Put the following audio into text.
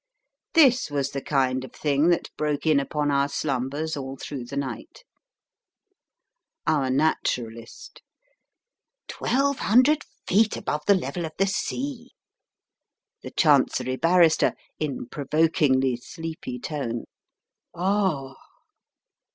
This was the kind of thing that broke in upon our slumbers all through the night: Our Naturalist: "1200 feet above the level of the sea." The Chancery Barrister (in provokingly sleepy tone): "Ah!"